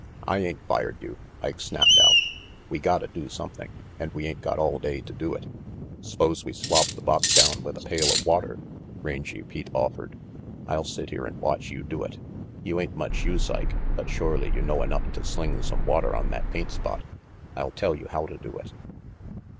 "I ain't fired you," Ike snapped out. "We gotta do something, and we ain't got all day to do it." "S'pose we swab the box down with a pail of water," Rangy Pete offered. "I'll sit here and watch you do it. You ain't much use, Ike, but surely you know enough to sling some water on that paint spot. I'll tell you how to do it."